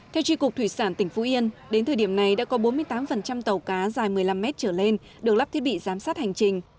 theo tri cục thủy sản tỉnh phú yên đến thời điểm này đã có bốn mươi tám tàu cá dài một mươi năm mét trở lên được lắp thiết bị giám sát hành trình